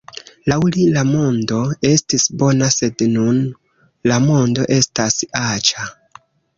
Laŭ ri, la mondo estis bona, sed nun, la mondo estas aĉa.